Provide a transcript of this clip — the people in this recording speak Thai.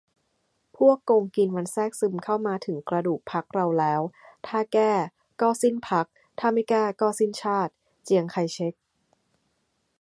"พวกโกงกินมันแทรกซึมเข้ามาถึงกระดูกพรรคเราแล้ว ถ้าแก้ ก็สิ้นพรรค ถ้าไม่แก้ ก็สิ้นชาติ" - เจียงไคเช็ก